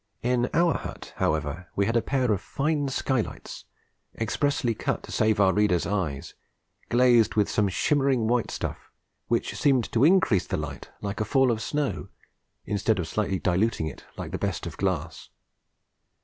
In our hut, however, we had a pair of fine skylights, expressly cut to save our readers' eyes, and glazed with some shimmering white stuff which seemed to increase the light, like a fall of snow, instead of slightly diluting it like the best of glass.